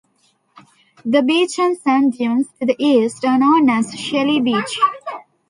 The beach and sand dunes to the east are known as Shelly Beach.